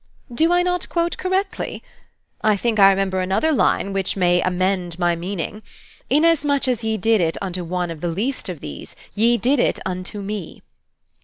"Do I not quote correctly? I think I remember another line, which may amend my meaning? 'Inasmuch as ye did it unto one of the least of these, ye did it unto me.'